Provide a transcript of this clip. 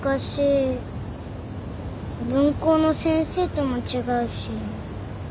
分校の先生とも違うし。